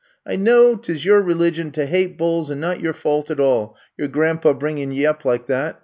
I know 't is yer religion to hate bulls and not yer fault at all, yer gran 'pa bringin ' ye up like that.